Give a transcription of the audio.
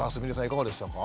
いかがでしたか？